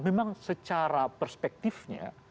memang secara perspektifnya